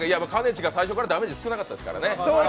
ちが最初からダメージ少なかったからね。